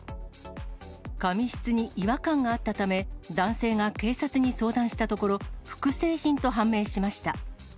紙質に違和感があったため、男性が警察に相談したところ、複製品と判明しました。